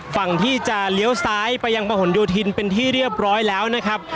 ฝั่งที่จะเลี้ยวซ้ายไปยังประหลโยธินเป็นที่เรียบร้อยแล้วนะครับ